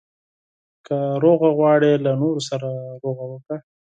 • که سوله غواړې، له نورو سره سوله وکړه.